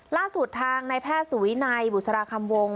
ล่าสุดทางนายแพทย์สุวินัยบุษราคำวง